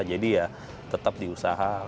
jadi ya tetap diusaha